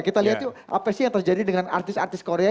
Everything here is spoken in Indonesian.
kita lihat tuh apa sih yang terjadi dengan artis artis korea